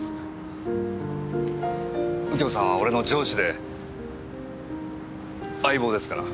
右京さんは俺の上司で相棒ですから。